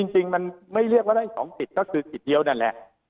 จริงมันไม่เรียกว่าได้๒สิทธิ์ก็คือสิทธิ์เดียวนั่นแหละ